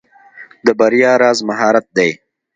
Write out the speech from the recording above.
د بریا راز مهارت دی.